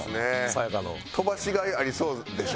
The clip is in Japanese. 飛ばしがいありそうでしょ？